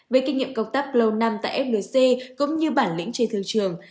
với kinh nghiệm công tác lâu năm tại flc cũng như bản lĩnh trên thương trường